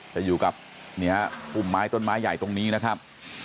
จะอยู่กับปุ่มไม้ต้นไม้ใหญ่ตรงนี้นะครับ